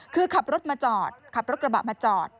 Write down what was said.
คือขับรถกระบะมาจอด